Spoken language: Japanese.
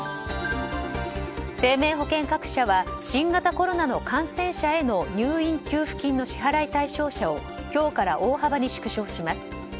生命保険各社は新型コロナの感染者への入院給付金の支払い対象者を今日から大幅に縮小します。